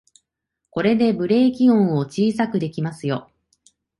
これでブレーキ音を小さくできますよ